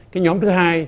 cái nhóm thứ hai